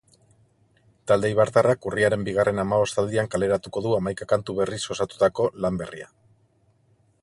Talde eibartarrak urriaren bigarren hamabostaldian kaleratuko du hamaika kantu berriz osatutako lan berria.